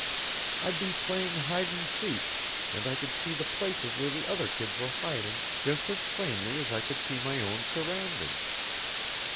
I'd be playing hide and seek, and I could see the places where the other kids were hiding just as plainly as I could see my own surroundings.